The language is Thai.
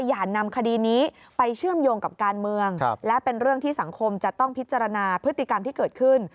อย่านำคดีนี้ไปเชื่อมโยงกับการเมืองและเป็นเรื่องที่สังคมจะต้องพิจารณาพฤติกรรมที่เกิดขึ้น